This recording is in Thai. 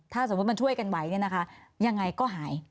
ถ้าสมมุติมันช่วยกันไว้เนี่ยนะคะยังไงก็หาย